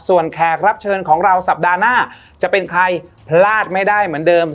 ส่วนแขกรับเชิญของเราสัปดาห์หน้าจะเป็นใครพลาดไม่ได้เหมือนเดิม